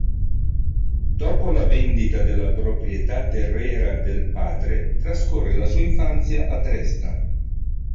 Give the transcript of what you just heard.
Dopo la vendita della proprietà terriera del padre, trascorre la sua infanzia a Dresda.